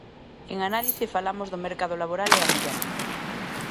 En Análise falamos do mercado laboral e a muller.